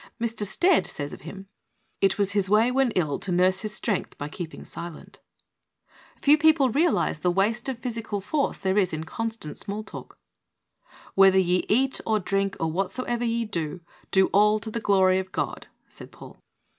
Mr. Stead says of him: "It was his way when ill to nurse his strength by keeping silent." Few people realize the waste of physical force there is in constant small talk. "Whether ye eat or drink, or whatso ever ye do, do all to the glory of God," said Paul.